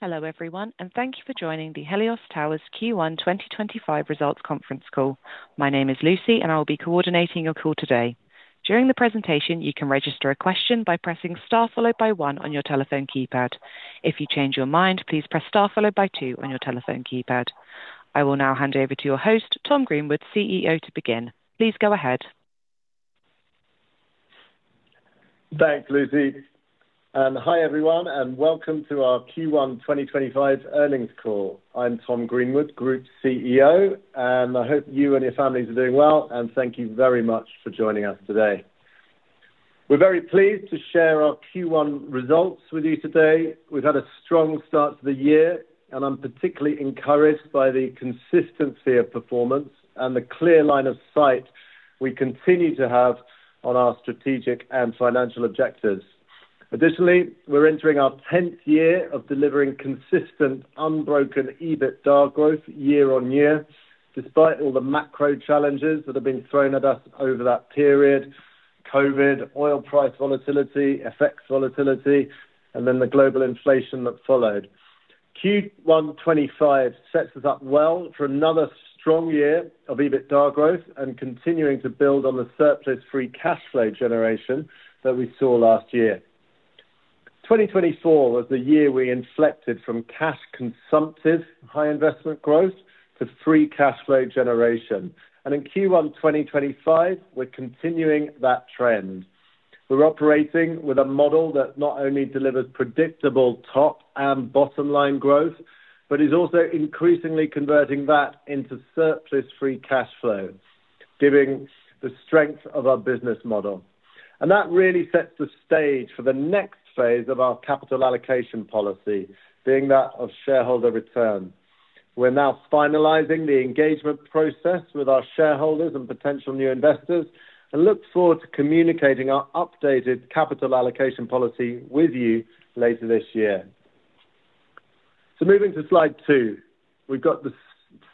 Hello everyone, and thank you for joining the Helios Towers Q1 2025 results conference call. My name is Lucy, and I will be coordinating your call today. During the presentation, you can register a question by pressing star followed by one on your telephone keypad. If you change your mind, please press star followed by two on your telephone keypad. I will now hand over to your host, Tom Greenwood, CEO, to begin. Please go ahead. Thanks, Lucy. Hi everyone, and welcome to our Q1 2025 earnings call. I'm Tom Greenwood, Group CEO, and I hope you and your families are doing well, and thank you very much for joining us today. We're very pleased to share our Q1 results with you today. We've had a strong start to the year, and I'm particularly encouraged by the consistency of performance and the clear line of sight we continue to have on our strategic and financial objectives. Additionally, we're entering our 10th year of delivering consistent, unbroken EBITDA growth year on year, despite all the macro challenges that have been thrown at us over that period: COVID, oil price volatility, FX volatility, and then the global inflation that followed. Q1 2025 sets us up well for another strong year of EBITDA growth and continuing to build on the surplus free cash flow generation that we saw last year. 2024 was the year we inflected from cash consumptive high investment growth to free cash flow generation, and in Q1 2025, we're continuing that trend. We're operating with a model that not only delivers predictable top and bottom line growth, but is also increasingly converting that into surplus free cash flow, given the strength of our business model. That really sets the stage for the next phase of our capital allocation policy, being that of shareholder return. We're now finalizing the engagement process with our shareholders and potential new investors, and look forward to communicating our updated capital allocation policy with you later this year. Moving to slide two, we've got the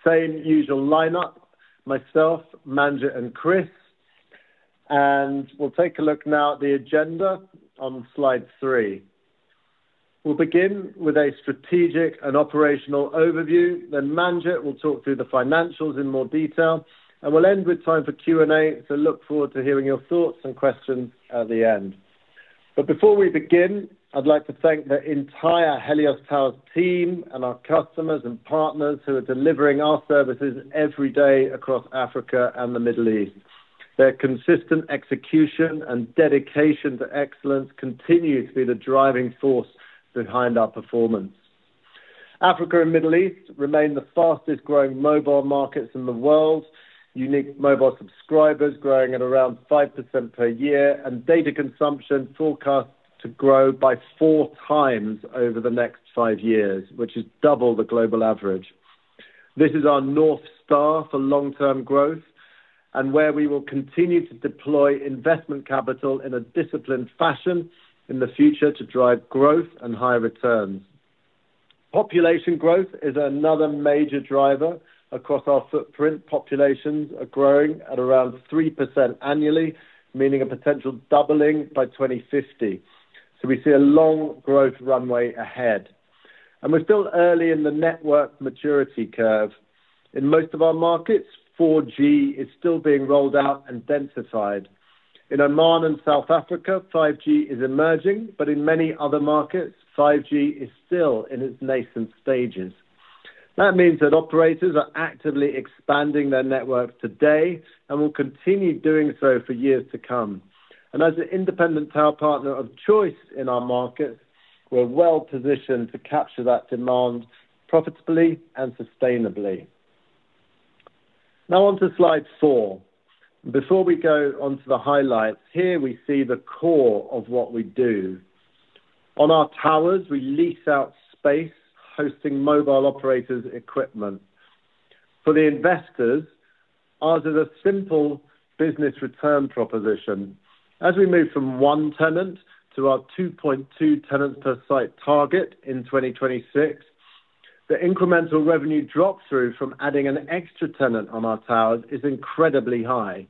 same usual lineup: myself, Manjit, and Chris, and we'll take a look now at the agenda on slide three. We'll begin with a strategic and operational overview, then Manjit will talk through the financials in more detail, and we'll end with time for Q&A, so look forward to hearing your thoughts and questions at the end. Before we begin, I'd like to thank the entire Helios Towers team and our customers and partners who are delivering our services every day across Africa and the Middle East. Their consistent execution and dedication to excellence continue to be the driving force behind our performance. Africa and the Middle East remain the fastest growing mobile markets in the world, unique mobile subscribers growing at around 5% per year, and data consumption forecast to grow by four times over the next five years, which is double the global average. This is our north star for long-term growth and where we will continue to deploy investment capital in a disciplined fashion in the future to drive growth and high returns. Population growth is another major driver across our footprint. Populations are growing at around 3% annually, meaning a potential doubling by 2050. We see a long growth runway ahead, and we're still early in the network maturity curve. In most of our markets, 4G is still being rolled out and densified. In Oman and South Africa, 5G is emerging, but in many other markets, 5G is still in its nascent stages. That means that operators are actively expanding their networks today and will continue doing so for years to come. As an independent power partner of choice in our markets, we're well positioned to capture that demand profitably and sustainably. Now on to slide four. Before we go on to the highlights, here we see the core of what we do. On our towers, we lease out space, hosting mobile operators' equipment. For the investors, ours is a simple business return proposition. As we move from one tenant to our 2.2 tenants per site target in 2026, the incremental revenue drop-through from adding an extra tenant on our towers is incredibly high.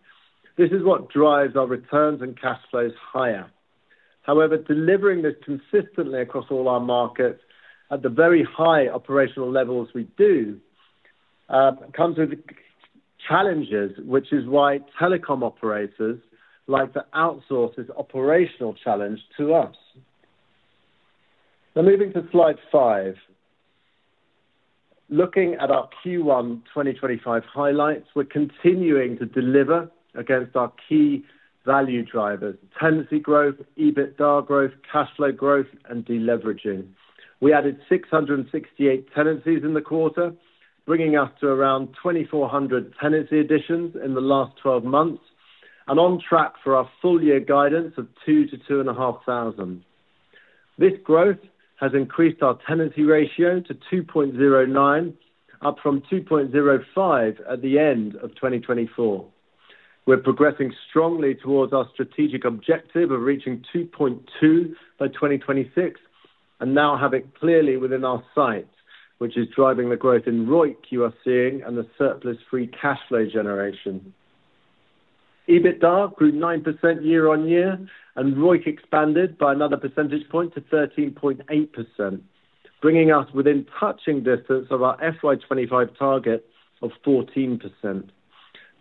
This is what drives our returns and cash flows higher. However, delivering this consistently across all our markets at the very high operational levels we do comes with challenges, which is why telecom operators like to outsource this operational challenge to us. Now moving to slide five, looking at our Q1 2025 highlights, we're continuing to deliver against our key value drivers: tenancy growth, EBITDA growth, cash flow growth, and deleveraging. We added 668 tenancies in the quarter, bringing us to around 2,400 tenancy additions in the last 12 months and on track for our full-year guidance of 2,000-2,500. This growth has increased our tenancy ratio to 2.09, up from 2.05 at the end of 2024. We're progressing strongly towards our strategic objective of reaching 2.2 by 2026 and now have it clearly within our sight, which is driving the growth in ROIC you are seeing and the surplus free cash flow generation. EBITDA grew 9% year on year, and ROIC expanded by another percentage point to 13.8%, bringing us within touching distance of our FY 2025 target of 14%.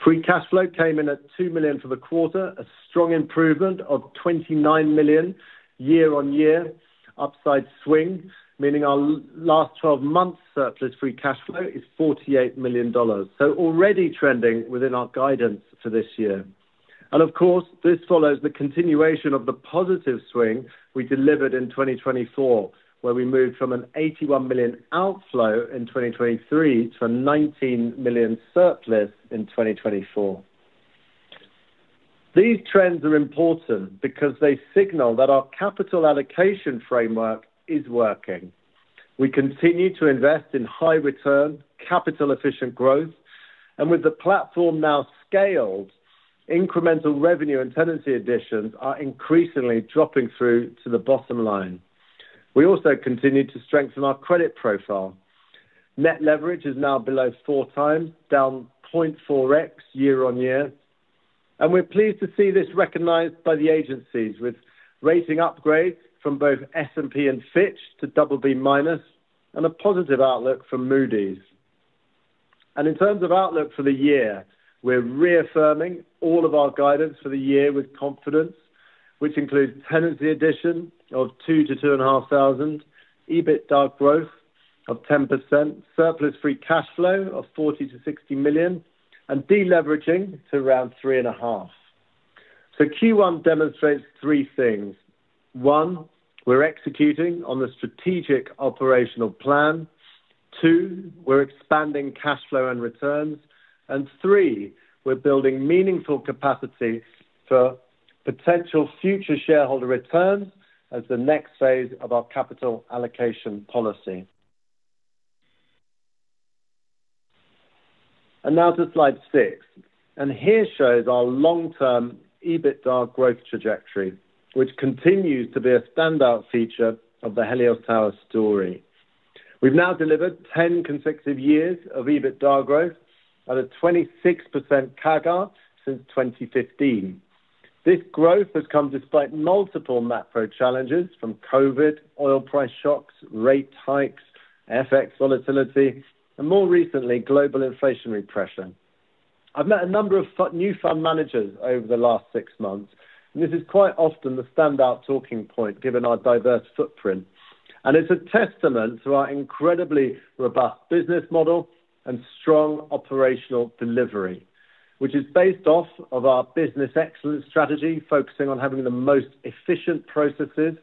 Free cash flow came in at $2 million for the quarter, a strong improvement of $29 million year on year, upside swing, meaning our last 12 months' surplus free cash flow is $48 million, so already trending within our guidance for this year. This follows the continuation of the positive swing we delivered in 2024, where we moved from an $81 million outflow in 2023 to a $19 million surplus in 2024. These trends are important because they signal that our capital allocation framework is working. We continue to invest in high-return, capital-efficient growth, and with the platform now scaled, incremental revenue and tenancy additions are increasingly dropping through to the bottom line. We also continue to strengthen our credit profile. Net leverage is now below 4x, down 0.4x year on year, and we're pleased to see this recognized by the agencies, with rating upgrades from both S&P and Fitch to BB- and a positive outlook from Moody's. In terms of outlook for the year, we're reaffirming all of our guidance for the year with confidence, which includes tenancy addition of 2,000-2,500, EBITDA growth of 10%, surplus free cash flow of $40 million-$60 million, and deleveraging to around 3.5. Q1 demonstrates three things. One, we're executing on the strategic operational plan. Two, we're expanding cash flow and returns. Three, we're building meaningful capacity for potential future shareholder returns as the next phase of our capital allocation policy. Now to slide six, and here shows our long-term EBITDA growth trajectory, which continues to be a standout feature of the Helios Towers story. We've now delivered 10 consecutive years of EBITDA growth at a 26% CAGR since 2015. This growth has come despite multiple macro challenges from COVID, oil price shocks, rate hikes, FX volatility, and more recently, global inflationary pressure. I've met a number of new fund managers over the last six months, and this is quite often the standout talking point given our diverse footprint. It's a testament to our incredibly robust business model and strong operational delivery, which is based off of our business excellence strategy, focusing on having the most efficient processes,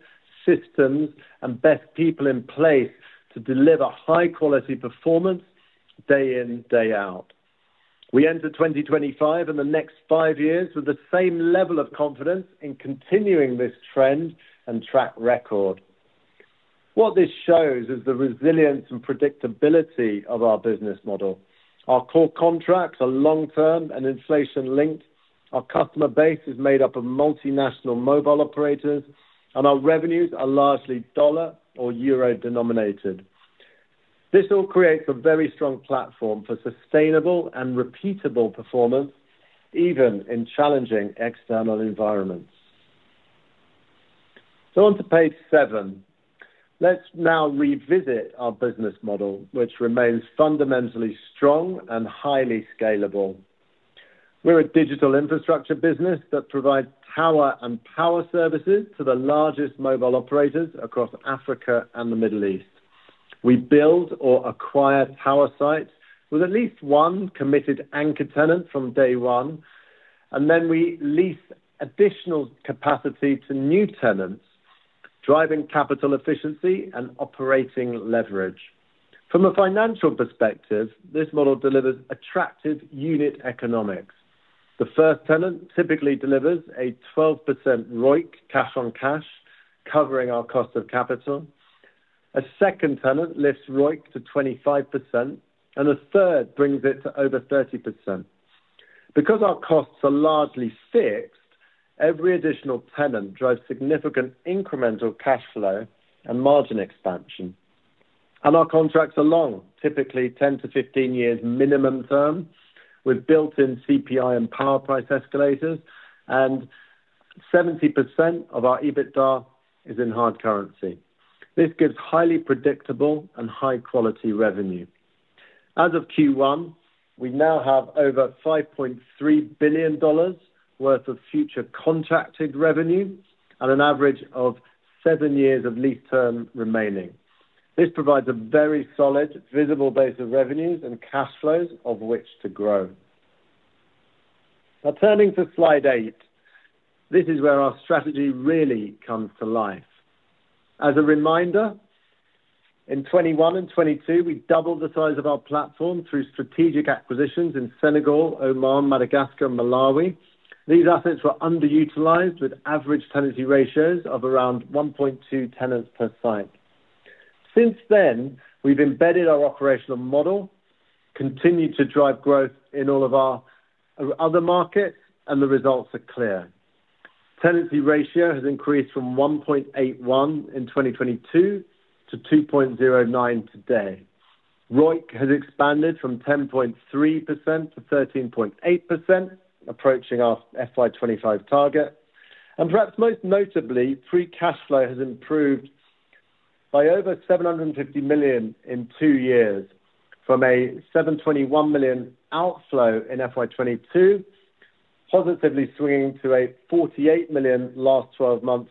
systems, and best people in place to deliver high-quality performance day in, day out. We enter 2025 and the next five years with the same level of confidence in continuing this trend and track record. What this shows is the resilience and predictability of our business model. Our core contracts are long-term and inflation-linked. Our customer base is made up of multinational mobile operators, and our revenues are largely dollar or euro denominated. This all creates a very strong platform for sustainable and repeatable performance, even in challenging external environments. On to page seven, let's now revisit our business model, which remains fundamentally strong and highly scalable. We're a digital infrastructure business that provides tower and power services to the largest mobile operators across Africa and the Middle East. We build or acquire tower sites with at least one committed anchor tenant from day one, and then we lease additional capacity to new tenants, driving capital efficiency and operating leverage. From a financial perspective, this model delivers attractive unit economics. The first tenant typically delivers a 12% ROIC, cash on cash, covering our cost of capital. A second tenant lifts ROIC to 25%, and a third brings it to over 30%. Because our costs are largely fixed, every additional tenant drives significant incremental cash flow and margin expansion. Our contracts are long, typically 10 to 15 years minimum term, with built-in CPI and power price escalators, and 70% of our EBITDA is in hard currency. This gives highly predictable and high-quality revenue. As of Q1, we now have over $5.3 billion worth of future contracted revenue and an average of seven years of lease term remaining. This provides a very solid, visible base of revenues and cash flows of which to grow. Now turning to slide eight, this is where our strategy really comes to life. As a reminder, in 2021 and 2022, we doubled the size of our platform through strategic acquisitions in Senegal, Oman, Madagascar, and Malawi. These assets were underutilized with average tenancy ratios of around 1.2 tenants per site. Since then, we've embedded our operational model, continued to drive growth in all of our other markets, and the results are clear. Tenancy ratio has increased from 1.81 in 2022 to 2.09 today. ROIC has expanded from 10.3% to 13.8%, approaching our FY 2025 target. Perhaps most notably, free cash flow has improved by over $750 million in two years from a $721 million outflow in FY 2022, positively swinging to a $48 million last 12 months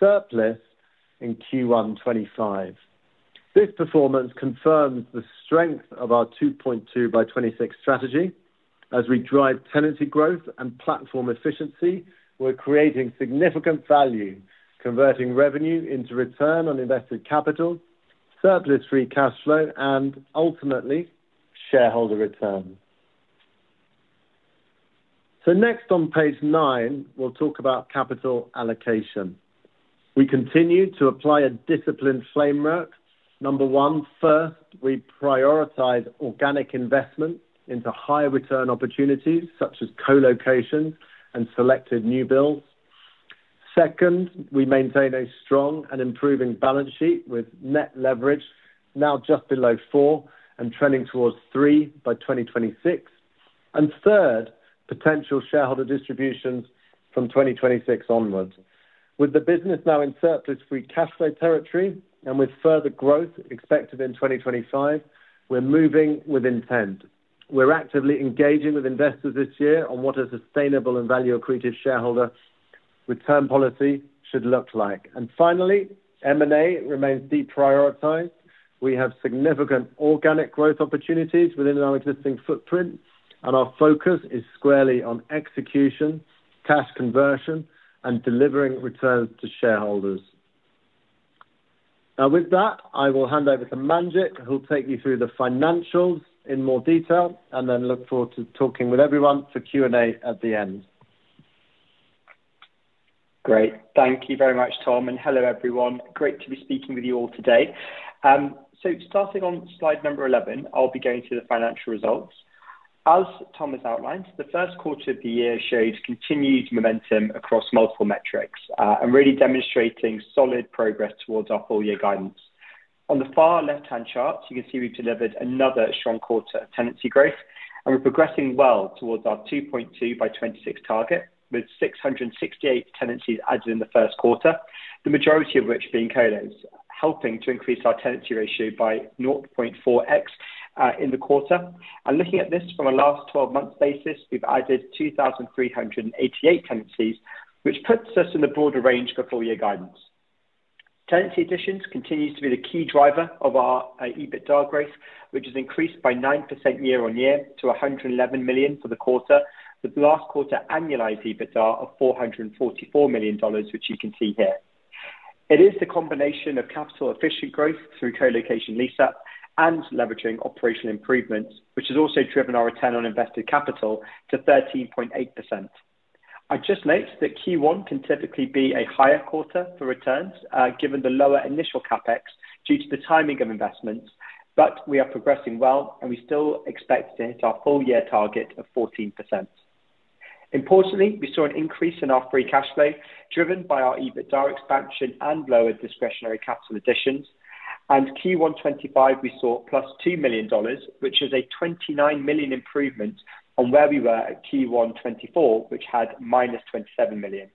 surplus in Q1 2025. This performance confirms the strength of our 2.2 by 2026 strategy as we drive tenancy growth and platform efficiency. We're creating significant value, converting revenue into return on invested capital, surplus free cash flow, and ultimately, shareholder return. Next on page nine, we'll talk about capital allocation. We continue to apply a disciplined framework. Number one, first, we prioritize organic investment into high return opportunities such as co-locations and selected new builds. Second, we maintain a strong and improving balance sheet with net leverage now just below 4 and trending towards 3 by 2026. Third, potential shareholder distributions from 2026 onward. With the business now in surplus free cash flow territory and with further growth expected in 2025, we're moving with intent. We're actively engaging with investors this year on what a sustainable and value-accretive shareholder return policy should look like. Finally, M&A remains deprioritized. We have significant organic growth opportunities within our existing footprint, and our focus is squarely on execution, cash conversion, and delivering returns to shareholders. Now with that, I will hand over to Manjit, who'll take you through the financials in more detail, and then look forward to talking with everyone for Q&A at the end. Great. Thank you very much, Tom. And hello, everyone. Great to be speaking with you all today. Starting on slide number 11, I'll be going through the financial results. As Tom has outlined, the first quarter of the year showed continued momentum across multiple metrics and really demonstrating solid progress towards our full-year guidance. On the far left-hand chart, you can see we've delivered another strong quarter of tenancy growth, and we're progressing well towards our 2.2 by 2026 target with 668 tenancies added in the first quarter, the majority of which being co-locations, helping to increase our tenancy ratio by 0.04x in the quarter. Looking at this from a last 12-month basis, we've added 2,388 tenancies, which puts us in the broader range for full-year guidance. Tenancy additions continue to be the key driver of our EBITDA growth, which has increased by 9% year on year to $111 million for the quarter, with last quarter annualized EBITDA of $444 million, which you can see here. It is the combination of capital-efficient growth through co-location lease-up and leveraging operational improvements, which has also driven our return on invested capital to 13.8%. I just noted that Q1 can typically be a higher quarter for returns given the lower initial CapEx due to the timing of investments, but we are progressing well, and we still expect to hit our full-year target of 14%. Importantly, we saw an increase in our free cash flow driven by our EBITDA expansion and lower discretionary capital additions. In Q1 2025, we saw +$2 million, which is a $29 million improvement on where we were at Q1 2024, which had -$27 million.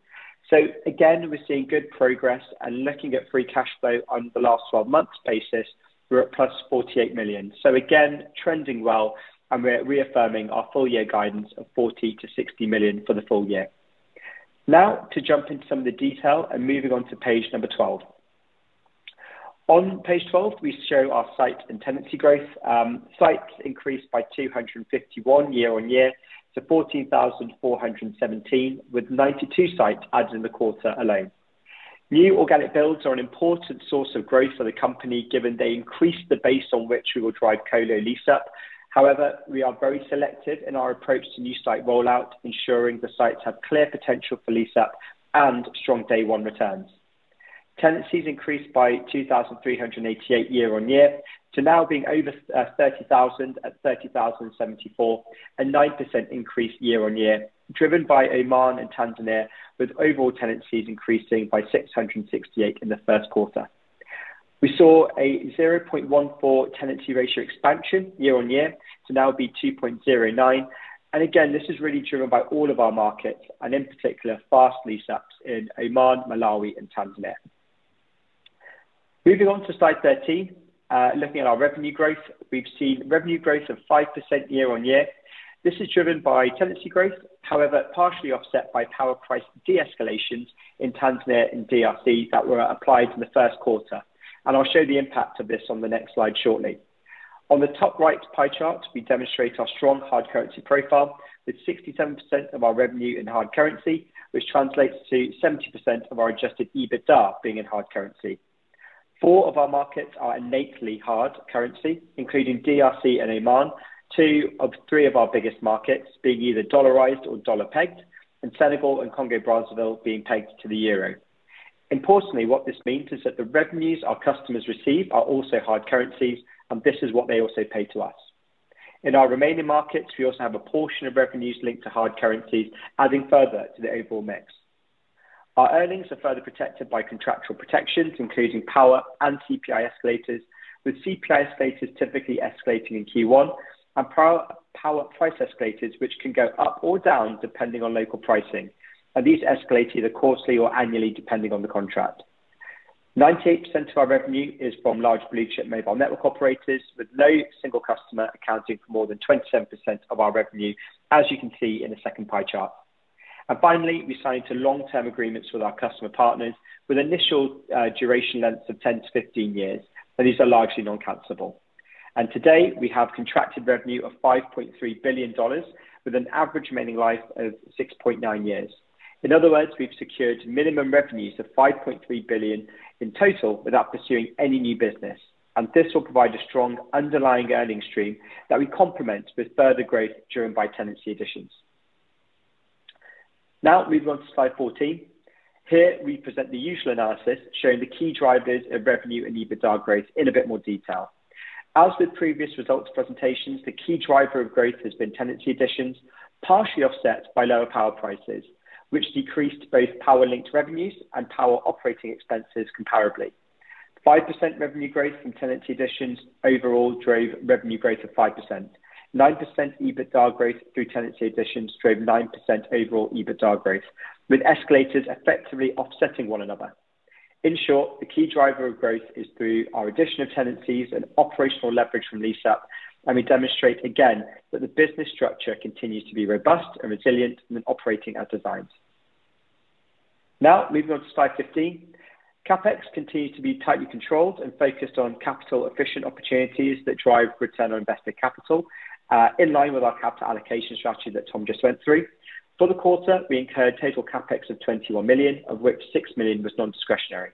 Again, we're seeing good progress, and looking at free cash flow on the last 12-month basis, we're at +$48 million. Again, trending well, and we're reaffirming our full-year guidance of $40 million-$60 million for the full year. Now to jump into some of the detail and moving on to page number 12. On page 12, we show our site and tenancy growth. Sites increased by 251 year on year to 14,417 with 92 sites added in the quarter alone. New organic builds are an important source of growth for the company given they increase the base on which we will drive colo lease-up. However, we are very selective in our approach to new site rollout, ensuring the sites have clear potential for lease-up and strong day-one returns. Tenancies increased by 2,388 year on year to now being over 30,000 at 30,074, a 9% increase year on year, driven by Oman and Tanzania, with overall tenancies increasing by 668 in the first quarter. We saw a 0.14 tenancy ratio expansion year on year to now be 2.09. This is really driven by all of our markets and in particular fast lease-ups in Oman, Malawi, and Tanzania. Moving on to slide 13, looking at our revenue growth, we've seen revenue growth of 5% year on year. This is driven by tenancy growth, however partially offset by power price de-escalations in Tanzania and DRC that were applied in the first quarter. I'll show the impact of this on the next slide shortly. On the top right pie chart, we demonstrate our strong hard currency profile with 67% of our revenue in hard currency, which translates to 70% of our adjusted EBITDA being in hard currency. Four of our markets are innately hard currency, including DRC and Oman, two of three of our biggest markets being either dollarized or dollar-pegged, and Senegal and Congo-Brazzaville being pegged to the euro. Importantly, what this means is that the revenues our customers receive are also hard currencies, and this is what they also pay to us. In our remaining markets, we also have a portion of revenues linked to hard currencies, adding further to the overall mix. Our earnings are further protected by contractual protections, including power and CPI escalators, with CPI escalators typically escalating in Q1 and power price escalators, which can go up or down depending on local pricing. These escalate either quarterly or annually depending on the contract. 98% of our revenue is from large blue-chip mobile network operators, with no single customer accounting for more than 27% of our revenue, as you can see in the second pie chart. Finally, we signed long-term agreements with our customer partners with initial duration lengths of 10-15 years, and these are largely non-cancellable. Today, we have contracted revenue of $5.3 billion, with an average remaining life of 6.9 years. In other words, we have secured minimum revenues of $5.3 billion in total without pursuing any new business. This will provide a strong underlying earnings stream that we complement with further growth driven by tenancy additions. Now moving on to slide 14. Here, we present the usual analysis showing the key drivers of revenue and EBITDA growth in a bit more detail. As with previous results presentations, the key driver of growth has been tenancy additions, partially offset by lower power prices, which decreased both power-linked revenues and power operating expenses comparably. 5% revenue growth from tenancy additions overall drove revenue growth of 5%. 9% EBITDA growth through tenancy additions drove 9% overall EBITDA growth, with escalators effectively offsetting one another. In short, the key driver of growth is through our addition of tenancies and operational leverage from lease-up, and we demonstrate again that the business structure continues to be robust and resilient and operating as designed. Now moving on to slide 15. CapEx continues to be tightly controlled and focused on capital-efficient opportunities that drive return on invested capital, in line with our capital allocation strategy that Tom just went through. For the quarter, we incurred total CapEx of $21 million, of which $6 million was non-discretionary.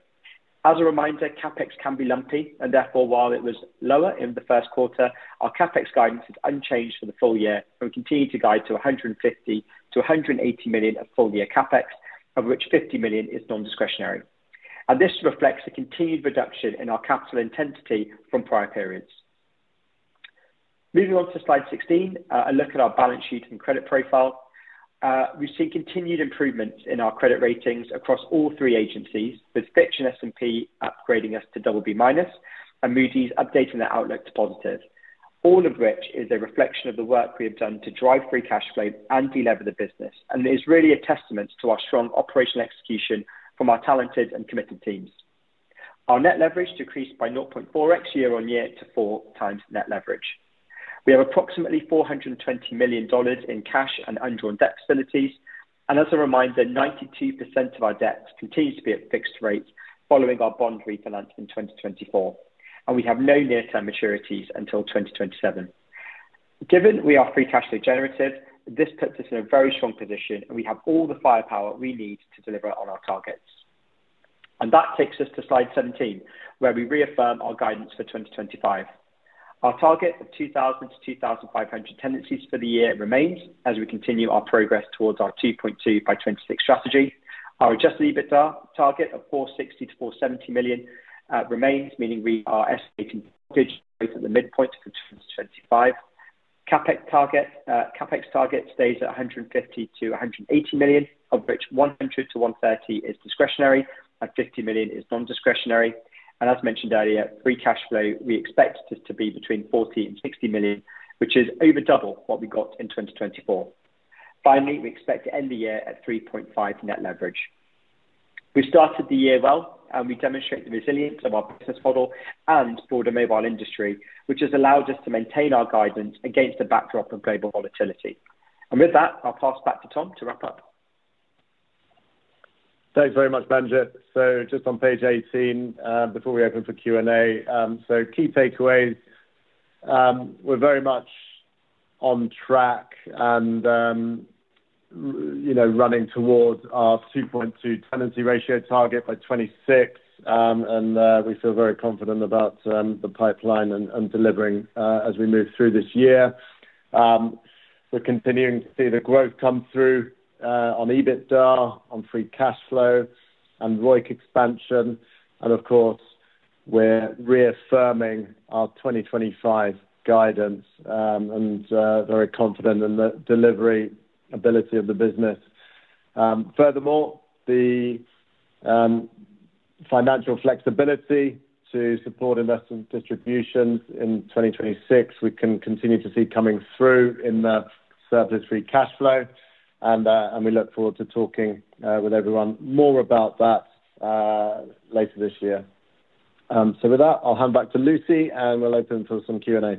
As a reminder, CapEx can be lumpy, and therefore, while it was lower in the first quarter, our CapEx guidance is unchanged for the full year, and we continue to guide to $150 million-$180 million of full-year CapEx, of which $50 million is non-discretionary. This reflects a continued reduction in our capital intensity from prior periods. Moving on to slide 16, a look at our balance sheet and credit profile. We have seen continued improvements in our credit ratings across all three agencies, with Fitch and S&P upgrading us to BB- and Moody's updating their outlook to positive, all of which is a reflection of the work we have done to drive free cash flow and delever the business. It is really a testament to our strong operational execution from our talented and committed teams. Our net leverage decreased by 0.4x year on year to 4x net leverage. We have approximately $420 million in cash and undrawn debt facilities. As a reminder, 92% of our debt continues to be at fixed rates following our bond refinance in 2024. We have no near-term maturities until 2027. Given we are free cash-generative, this puts us in a very strong position, and we have all the firepower we need to deliver on our targets. That takes us to slide 17, where we reaffirm our guidance for 2025. Our target of 2,000-2,500 tenancies for the year remains as we continue our progress towards our 2.2 by 2026 strategy. Our adjusted EBITDA target of $460 million-$470 million remains, meaning we are estimating mid-single-digit growth at the midpoint of 2025. CapEx target stays at $150 million-$180 million, of which $100 million-$130 million is discretionary and $50 million is non-discretionary. As mentioned earlier, free cash flow we expect to be between $40 million and $60 million, which is over double what we got in 2024. Finally, we expect to end the year at 3.5x net leverage. We have started the year well, and we demonstrate the resilience of our business model and broader mobile industry, which has allowed us to maintain our guidance against the backdrop of global volatility. With that, I'll pass back to Tom to wrap up. Thanks very much, Manjit. Just on page 18, before we open for Q&A, key takeaways. We are very much on track and running towards our 2.2 tenancy ratio target by 2026, and we feel very confident about the pipeline and deliveringd as we move through this year. We're continuing to see the growth come through on EBITDA, on free cash flow, and ROIC expansion. Of course, we're reaffirming our 2025 guidance and very confident in the delivery ability of the business. Furthermore, the financial flexibility to support investment distributions in 2026, we can continue to see coming through in the surplus free cash flow. We look forward to talking with everyone more about that later this year. With that, I'll hand back to Lucy, and we'll open for some Q&A.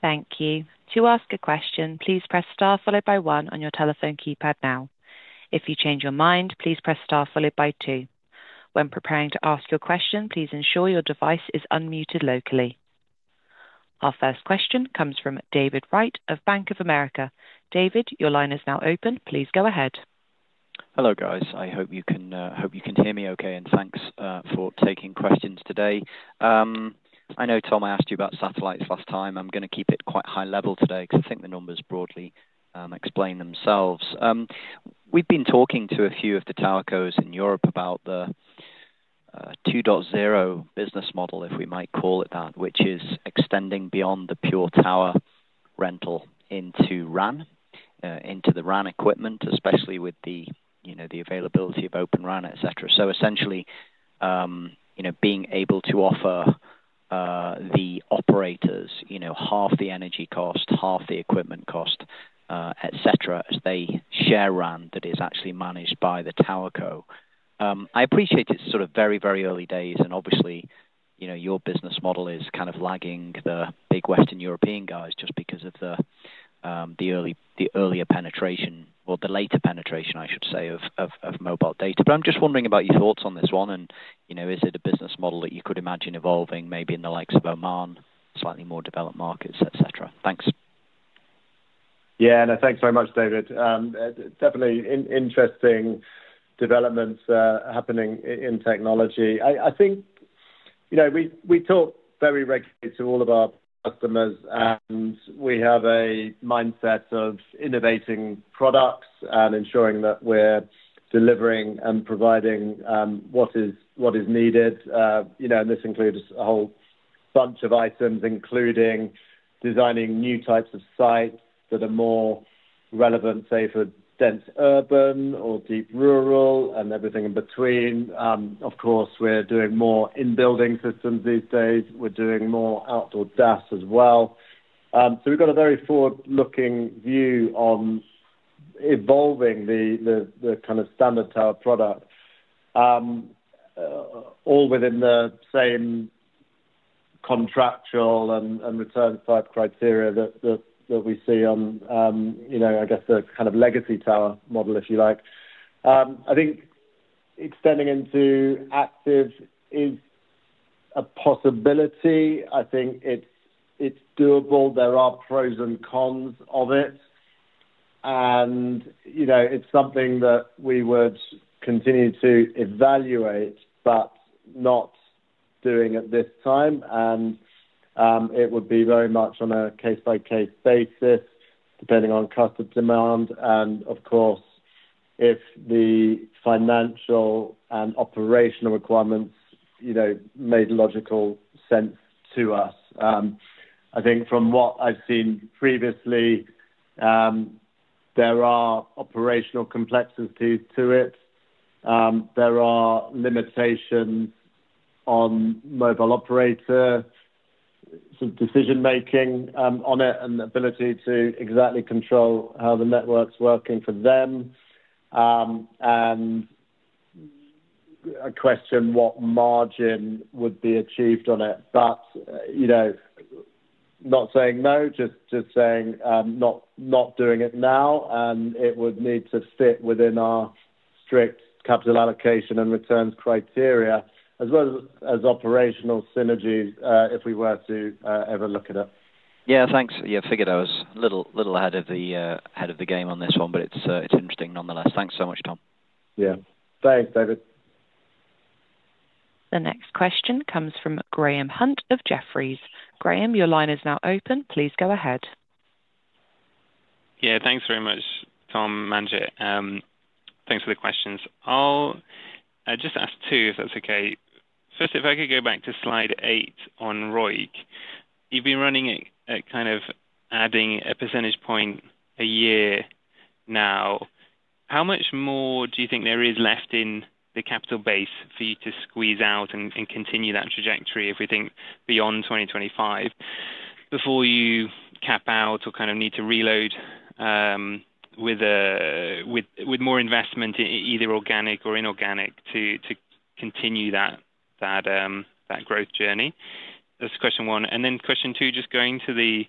Thank you. To ask a question, please press star followed by one on your telephone keypad now. If you change your mind, please press star followed by two. When preparing to ask your question, please ensure your device is unmuted locally. Our first question comes from David Wright of Bank of America. David, your line is now open. Please go ahead. Hello, guys. I hope you can hear me okay, and thanks for taking questions today. I know Tom, I asked you about satellites last time. I'm going to keep it quite high level today because I think the numbers broadly explain themselves. We've been talking to a few of the tower cos in Europe about the 2.0 business model, if we might call it that, which is extending beyond the pure tower rental into RAN, into the RAN equipment, especially with the availability of Open RAN, etc. Essentially, being able to offer the operators half the energy cost, half the equipment cost, etc., as they share RAN that is actually managed by the tower co. I appreciate it's sort of very, very early days, and obviously, your business model is kind of lagging the big Western European guys just because of the earlier penetration, or the later penetration, I should say, of mobile data. I'm just wondering about your thoughts on this one, and is it a business model that you could imagine evolving maybe in the likes of Oman, slightly more developed markets, etc.? Thanks. Yeah, thanks very much, David. Definitely interesting developments happening in technology. I think we talk very regularly to all of our customers, and we have a mindset of innovating products and ensuring that we're delivering and providing what is needed. This includes a whole bunch of items, including designing new types of sites that are more relevant, say, for dense urban or deep rural and everything in between. Of course, we're doing more in-building systems these days. We're doing more outdoor DAS as well. We've got a very forward-looking view on evolving the kind of standard tower product, all within the same contractual and return-type criteria that we see on, I guess, the kind of legacy tower model, if you like. I think extending into active is a possibility. I think it's doable. There are pros and cons of it. It's something that we would continue to evaluate, but not doing at this time. It would be very much on a case-by-case basis, depending on cost of demand. Of course, if the financial and operational requirements made logical sense to us. I think from what I've seen previously, there are operational complexities to it. There are limitations on mobile operator decision-making on it and ability to exactly control how the network's working for them. I question what margin would be achieved on it, but not saying no, just saying not doing it now. It would need to fit within our strict capital allocation and returns criteria, as well as operational synergies if we were to ever look at it. Yeah, thanks. Yeah, figured I was a little ahead of the game on this one, but it's interesting nonetheless. Thanks so much, Tom. Yeah. Thanks, David. The next question comes from Graham Hunt of Jefferies. Graham, your line is now open. Please go ahead. Yeah, thanks very much, Tom, Manjit. Thanks for the questions. I'll just ask two, if that's okay. First, if I could go back to slide eight on ROIC. You've been running at kind of adding a percentage point a year now. How much more do you think there is left in the capital base for you to squeeze out and continue that trajectory, if we think beyond 2025, before you cap out or kind of need to reload with more investment, either organic or inorganic, to continue that growth journey? That's question one. Then question two, just going to the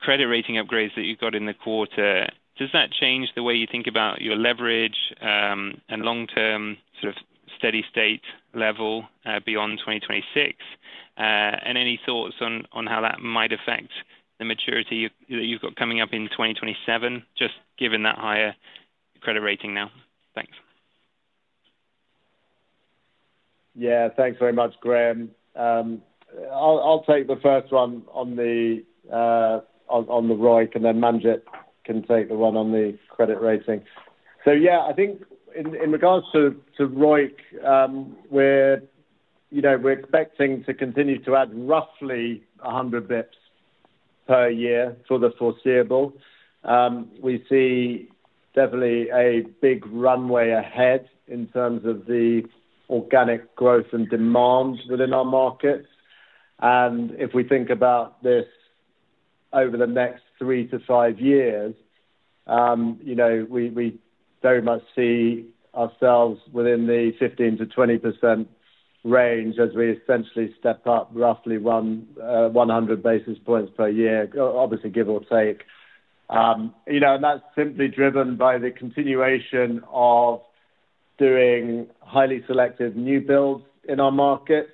credit rating upgrades that you got in the quarter, does that change the way you think about your leverage and long-term sort of steady state level beyond 2026? Any thoughts on how that might affect the maturity that you've got coming up in 2027, just given that higher credit rating now? Thanks. Yeah, thanks very much, Graham. I'll take the first one on the ROIC, and then Manjit can take the one on the credit rating. Yeah, I think in regards to ROIC, we're expecting to continue to add roughly 100 basis points per year for the foreseeable. We see definitely a big runway ahead in terms of the organic growth and demand within our markets. If we think about this over the next three to five years, we very much see ourselves within the 15%-20% range as we essentially step up roughly 100 basis points per year, obviously, give or take. That's simply driven by the continuation of doing highly selective new builds in our markets.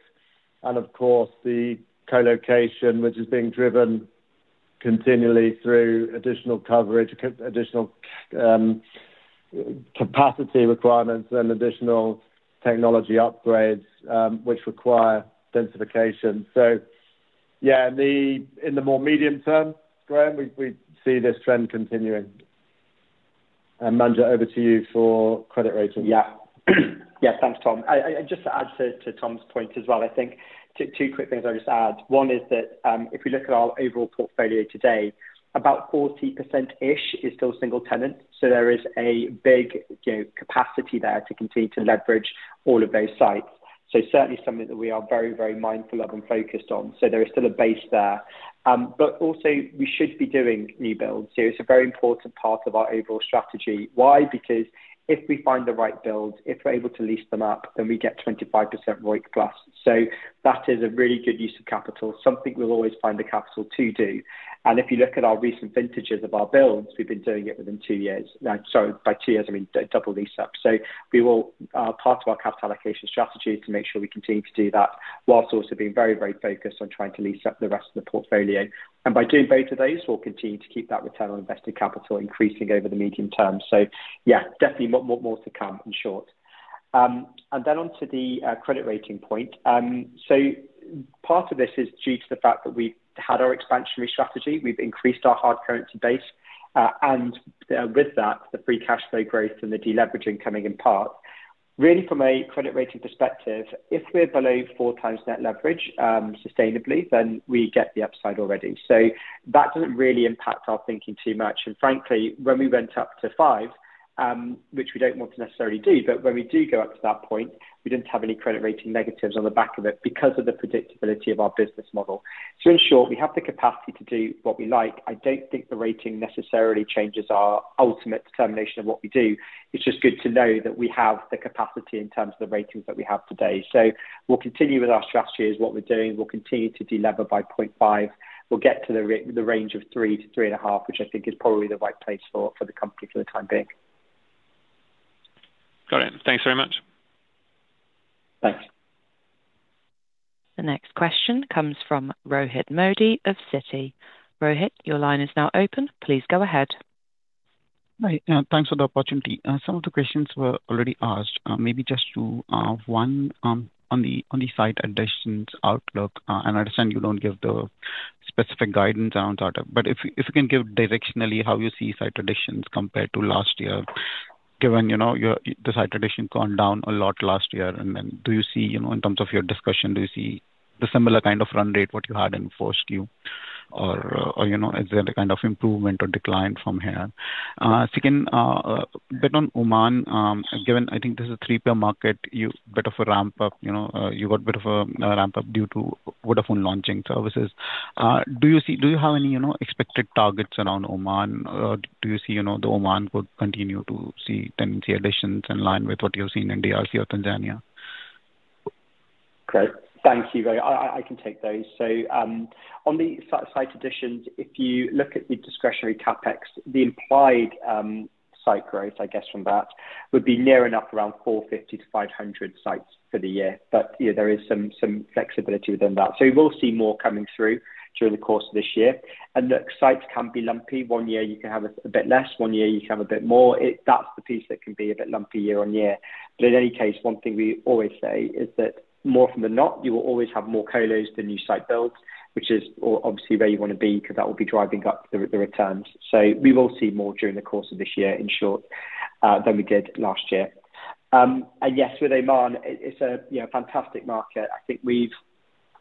Of course, the colocation, which is being driven continually through additional coverage, additional capacity requirements, and additional technology upgrades, which require densification. Yeah, in the more medium term, Graham, we see this trend continuing. Manjit, over to you for credit rating. Yeah. Yeah, thanks, Tom. Just to add to Tom's point as well, I think two quick things I'll just add. One is that if we look at our overall portfolio today, about 40% is still single tenant. There is a big capacity there to continue to leverage all of those sites. Certainly something that we are very, very mindful of and focused on. There is still a base there. Also, we should be doing new builds. It is a very important part of our overall strategy. Why? Because if we find the right build, if we're able to lease them up, then we get 25% ROIC plus. That is a really good use of capital, something we'll always find the capital to do. If you look at our recent vintages of our builds, we've been doing it within two years. Sorry, by two years, I mean double lease up. Part of our capital allocation strategy is to make sure we continue to do that whilst also being very, very focused on trying to lease up the rest of the portfolio. By doing both of those, we'll continue to keep that return on invested capital increasing over the medium term. Yeah, definitely more to come in short. On to the credit rating point. Part of this is due to the fact that we've had our expansionary strategy. We've increased our hard currency base. With that, the free cash flow growth and the deleveraging coming in part. Really, from a credit rating perspective, if we're below four times net leverage sustainably, then we get the upside already. That doesn't really impact our thinking too much. Frankly, when we went up to five, which we do not want to necessarily do, but when we do go up to that point, we did not have any credit rating negatives on the back of it because of the predictability of our business model. In short, we have the capacity to do what we like. I do not think the rating necessarily changes our ultimate determination of what we do. It is just good to know that we have the capacity in terms of the ratings that we have today. We will continue with our strategy as what we are doing. We will continue to delever by 0.5. We will get to the range of three to three and a half, which I think is probably the right place for the company for the time being. Got it. Thanks very much. Thanks. The next question comes from Rohit Modi of Citi. Rohit, your line is now open. Please go ahead. Hi. Thanks for the opportunity. Some of the questions were already asked. Maybe just to have one on the site additions outlook. I understand you do not give the specific guidance around that, but if you can give directionally how you see site additions compared to last year, given the site addition gone down a lot last year. Do you see, in terms of your discussion, do you see the similar kind of run rate what you had in first Q? Or is there a kind of improvement or decline from here? Second, a bit on Oman. I think this is a three-pillar market. You have got a bit of a ramp up. You have got a bit of a ramp up due to Vodafone launching services. Do you have any expected targets around Oman? Do you see that Oman would continue to see tenancy additions in line with what you've seen in DRC or Tanzania? Great. Thank you. I can take those. On the site additions, if you look at the discretionary CapEx, the implied site growth, I guess, from that would be near enough around 450-500 sites for the year. There is some flexibility within that. We will see more coming through during the course of this year. Sites can be lumpy. One year, you can have a bit less. One year, you can have a bit more. That is the piece that can be a bit lumpy year on year. In any case, one thing we always say is that more often than not, you will always have more colos than new site builds, which is obviously where you want to be because that will be driving up the returns. We will see more during the course of this year, in short, than we did last year. Yes, with Oman, it is a fantastic market. I think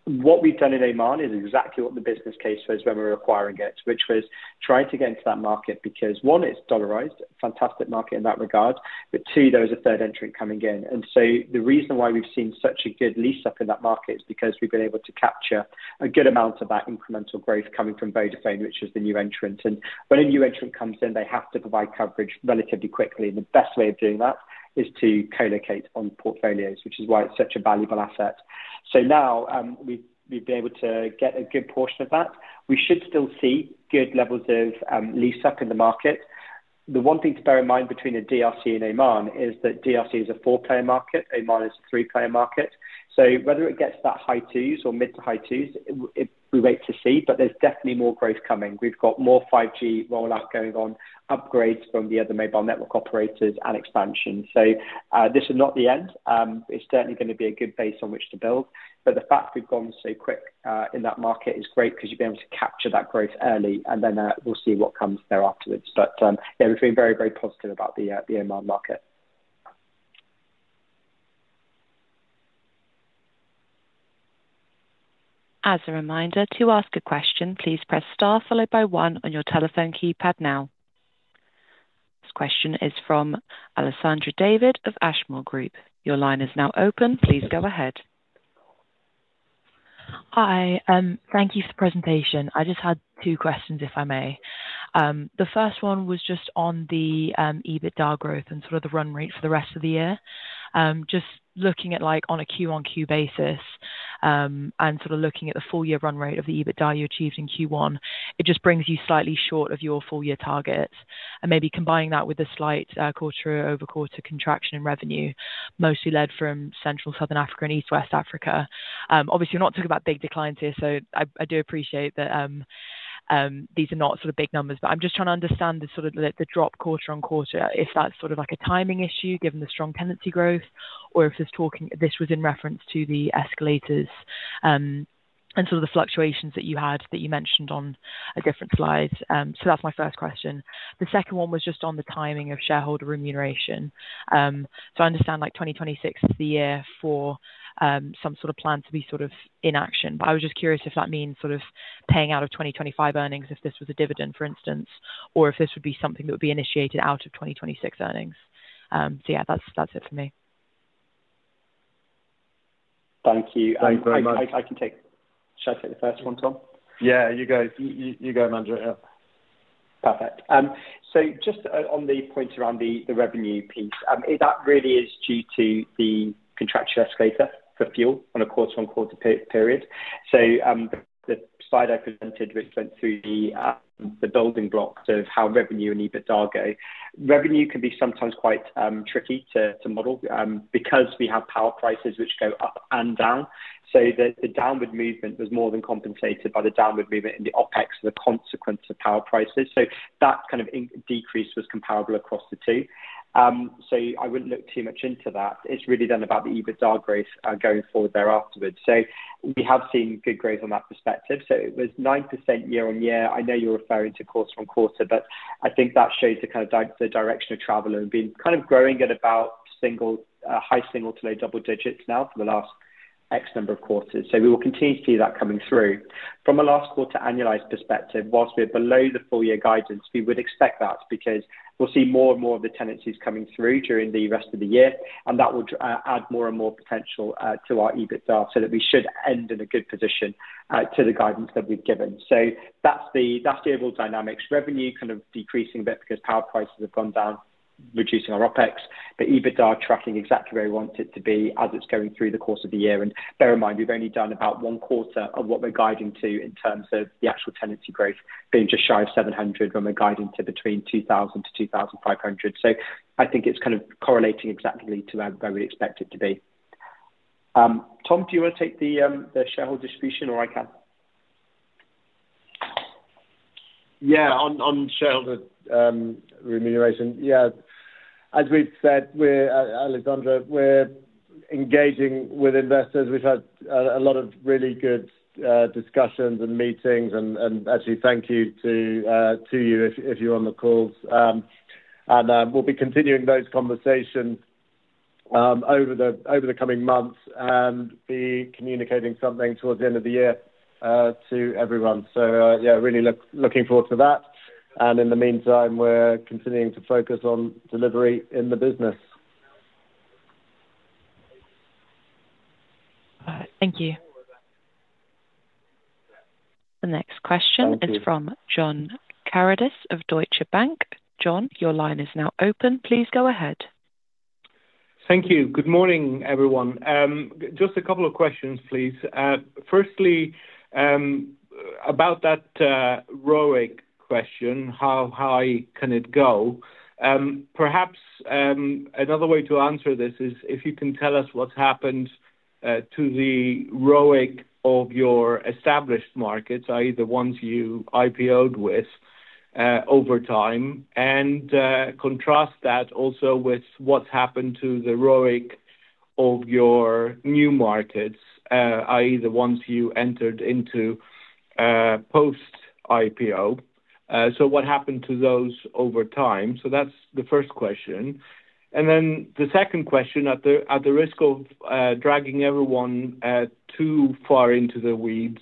what we have done in Oman is exactly what the business case was when we were acquiring it, which was trying to get into that market because, one, it is dollarized, a fantastic market in that regard. Two, there was a third entrant coming in. The reason why we have seen such a good lease-up in that market is because we have been able to capture a good amount of that incremental growth coming from Vodafone, which is the new entrant. When a new entrant comes in, they have to provide coverage relatively quickly. The best way of doing that is to colocate on portfolios, which is why it is such a valuable asset. Now we have been able to get a good portion of that. We should still see good levels of lease up in the market. The one thing to bear in mind between the DRC and Oman is that DRC is a four-player market. Oman is a three-player market. Whether it gets that high twos or mid to high twos, we wait to see, but there is definitely more growth coming. We have more 5G rollout going on, upgrades from the other mobile network operators, and expansion. This is not the end. It is certainly going to be a good base on which to build. But the fact we've gone so quick in that market is great because you've been able to capture that growth early, and then we'll see what comes there afterwards. Yeah, we've been very, very positive about the Oman market. As a reminder, to ask a question, please press star followed by one on your telephone keypad now. This question is from Alessandra David of Ashmore Group. Your line is now open. Please go ahead. Hi. Thank you for the presentation. I just had two questions, if I may. The first one was just on the EBITDA growth and sort of the run rate for the rest of the year. Just looking at on a Q1Q basis and sort of looking at the full year run rate of the EBITDA you achieved in Q1, it just brings you slightly short of your full year target. Maybe combining that with the slight quarter-over-quarter contraction in revenue, mostly led from Central, Southern Africa, and East-West Africa. Obviously, we're not talking about big declines here, so I do appreciate that these are not sort of big numbers. I'm just trying to understand the sort of the drop quarter on quarter, if that's sort of a timing issue given the strong tenancy growth, or if this was in reference to the escalators and the fluctuations that you had that you mentioned on a different slide. That's my first question. The second one was just on the timing of shareholder remuneration. I understand 2026 is the year for some sort of plan to be in action. But I was just curious if that means sort of paying out of 2025 earnings if this was a dividend, for instance, or if this would be something that would be initiated out of 2026 earnings. Yeah, that's it for me. Thank you. Thank you very much. I can take should I take the first one, Tom? Yeah, you go. You go, Manjit. Perfect. Just on the point around the revenue piece, that really is due to the contractual escalator for fuel on a quarter-on-quarter period. The slide I presented, which went through the building blocks of how revenue and EBITDA go, revenue can be sometimes quite tricky to model because we have power prices which go up and down. The downward movement was more than compensated by the downward movement in the OpEx, the consequence of power prices. That kind of decrease was comparable across the two. I would not look too much into that. It is really then about the EBITDA growth going forward there afterwards. We have seen good growth on that perspective. It was 9% year on year. I know you are referring to quarter on quarter, but I think that shows the direction of travel and being kind of growing at about high single to low double digits now for the last X number of quarters. We will continue to see that coming through. From a last quarter annualized perspective, whilst we are below the full year guidance, we would expect that because we will see more and more of the tenancies coming through during the rest of the year. That will add more and more potential to our EBITDA so that we should end in a good position to the guidance that we've given. That is the overall dynamics. Revenue kind of decreasing a bit because power prices have gone down, reducing our OpEx, but EBITDA tracking exactly where we want it to be as it is going through the course of the year. Bear in mind, we've only done about one quarter of what we're guiding to in terms of the actual tenancy growth being just shy of 700 when we're guiding to between 2,000-2,500. I think it is kind of correlating exactly to where we expect it to be. Tom, do you want to take the shareholder distribution, or I can? Yeah, on shareholder remuneration. As we've said, Alessandra, we're engaging with investors. We've had a lot of really good discussions and meetings. Actually, thank you to you if you're on the calls. We'll be continuing those conversations over the coming months and be communicating something towards the end of the year to everyone. Yeah, really looking forward to that. In the meantime, we're continuing to focus on delivery in the business. All right. Thank you. The next question is from John Karidis of Deutsche Bank. John, your line is now open. Please go ahead. Thank you. Good morning, everyone. Just a couple of questions, please. Firstly, about that ROIC question, how high can it go? Perhaps another way to answer this is if you can tell us what's happened to the ROIC of your established markets, i.e., the ones you IPOed with over time, and contrast that also with what's happened to the ROIC of your new markets, i.e., the ones you entered into post-IPO. What happened to those over time? That is the first question. The second question, at the risk of dragging everyone too far into the weeds,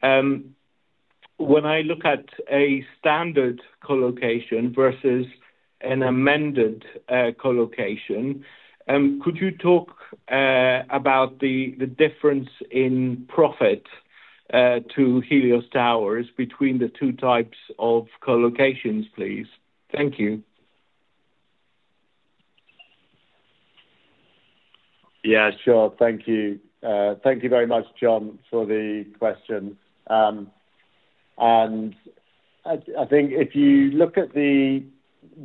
when I look at a standard colocation versus an amended colocation, could you talk about the difference in profit to Helios Towers between the two types of colocations, please? Thank you. Yeah, sure. Thank you. Thank you very much, John, for the question. I think if you look at the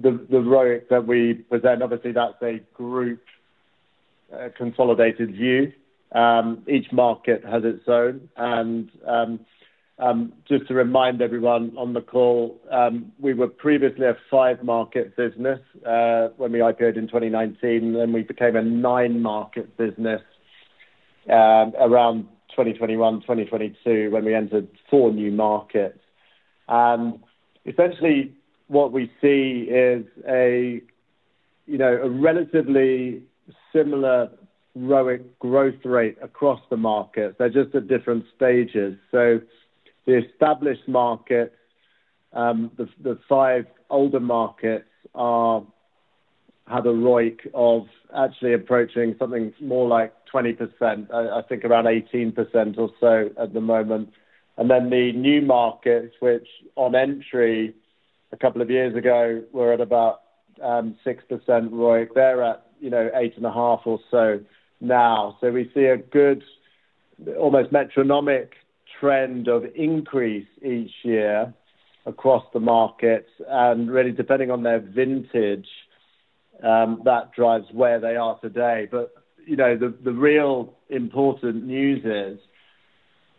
ROIC that we present, obviously, that is a group consolidated view. Each market has its own. Just to remind everyone on the call, we were previously a five-market business when we IPOed in 2019, and then we became a nine-market business around 2021, 2022, when we entered four new markets. Essentially, what we see is a relatively similar ROIC growth rate across the markets. They are just at different stages. The established markets, the five older markets, have a ROIC of actually approaching something more like 20%, I think around 18% or so at the moment. The new markets, which on entry a couple of years ago were at about 6% ROIC, they're at 8.5% or so now. We see a good, almost metronomic trend of increase each year across the markets. Really, depending on their vintage, that drives where they are today. The real important news is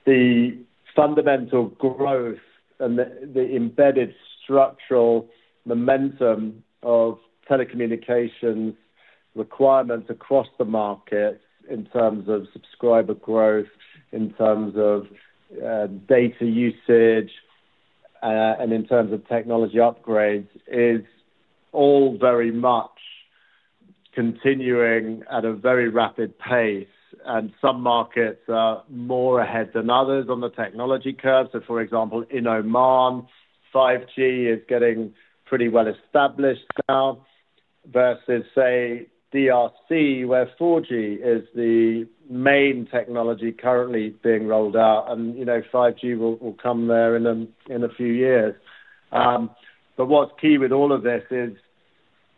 the fundamental growth and the embedded structural momentum of telecommunications requirements across the markets in terms of subscriber growth, in terms of data usage, and in terms of technology upgrades is all very much continuing at a very rapid pace. Some markets are more ahead than others on the technology curve. For example, in Oman, 5G is getting pretty well established now versus, say, DRC, where 4G is the main technology currently being rolled out. 5G will come there in a few years. What is key with all of this is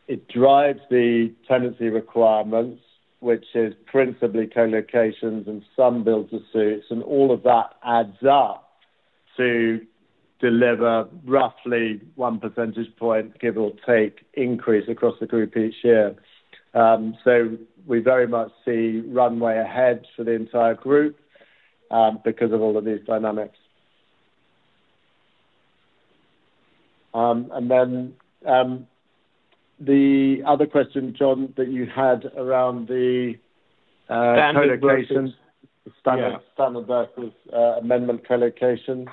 it drives the tenancy requirements, which is principally colocations and some build-to-suits. All of that adds up to deliver roughly one percentage point, give or take, increase across the group each year. We very much see runway ahead for the entire group because of all of these dynamics. The other question, John, that you had around the colocation, standard versus amendment colocation.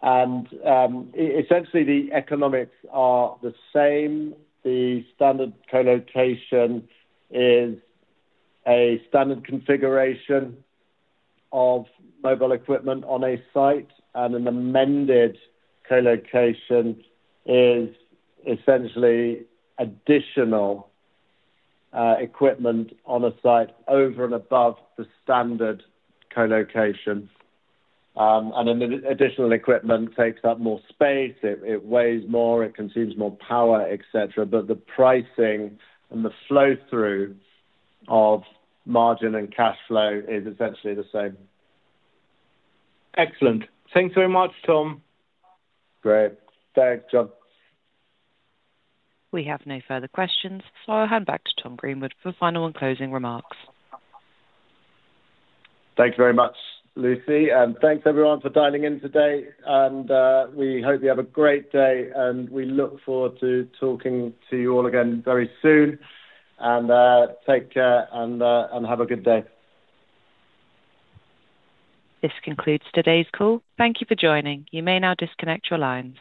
Essentially, the economics are the same. The standard colocation is a standard configuration of mobile equipment on a site, and an amended colocation is essentially additional equipment on a site over and above the standard colocation. And then additional equipment takes up more space. It weighs more. It consumes more power, etc. The pricing and the flow-through of margin and cash flow is essentially the same. Excellent. Thanks very much, Tom. Great. Thanks, John. We have no further questions. I will hand back to Tom Greenwood for final and closing remarks. Thank you very much, Lucy. Thanks, everyone, for dialing in today. We hope you have a great day. We look forward to talking to you all again very soon. Take care and have a good day. This concludes today's call. Thank you for joining. You may now disconnect your lines.